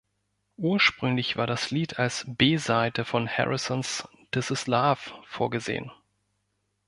Ursprünglich war das Lied als B-Seite von Harrisons "This Is Love" vorgesehen.